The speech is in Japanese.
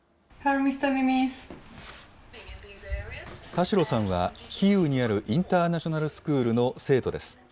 田代さんはキーウにあるインターナショナルスクールの生徒です。